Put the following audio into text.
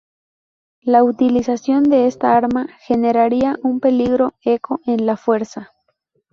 La utilización de esta arma generaría un peligroso eco en la Fuerza.